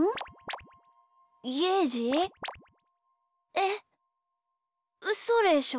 えっうそでしょ？